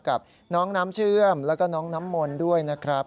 กับน้องน้ำเชื่อมแล้วก็น้องน้ำมนต์ด้วยนะครับ